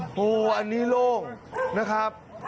โอ้โหอันนี้โล่งนะครับ